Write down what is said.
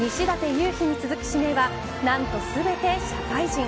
勇陽に続く指名は何と全て社会人。